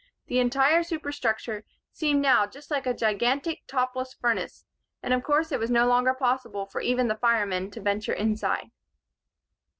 The entire superstructure seemed now just like a gigantic, topless furnace; and of course it was no longer possible for even the firemen to venture inside.